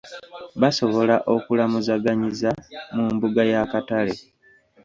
Basobola okulamuzaganyiza mu mbuga ya katale.